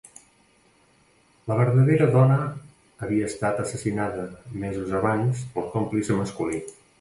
La vertadera dona havia estat assassinada mesos abans pel còmplice masculí.